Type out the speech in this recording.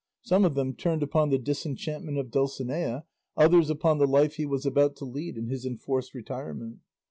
Some of them turned upon the disenchantment of Dulcinea, others upon the life he was about to lead in his enforced retirement.